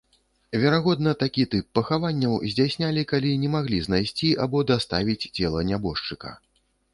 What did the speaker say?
Верагодна, такі тып пахаванняў здзяйснялі калі не маглі знайсці або даставіць цела нябожчыка.